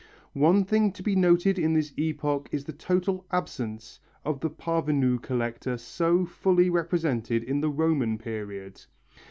One thing to be noted in this epoch is the total absence of the parvenu collector so fully represented in the Roman period.